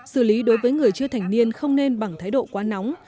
xử lý đối với người chưa thành niên không nên bằng thái độ quá nóng